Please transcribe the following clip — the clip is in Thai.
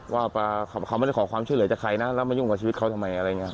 ว่าเขาไม่ได้ขอความช่วยเหลือจากใครนะแล้วไม่ยุ่งกับชีวิตเขาทำไม